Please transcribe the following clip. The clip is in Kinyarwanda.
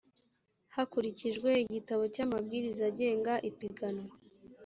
hakurikijwe igitabo cy’amabwiriza agenga ipiganwa